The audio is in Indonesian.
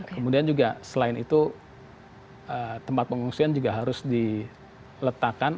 kemudian juga selain itu tempat pengungsian juga harus diletakkan